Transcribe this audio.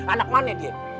anak mana dia